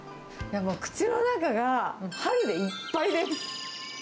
もう口の中が、もう春でいっぱいです。